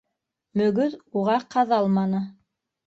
Мөгөҙ уға ҡаҙалманы.